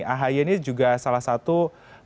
ahi ini juga salah satu politikus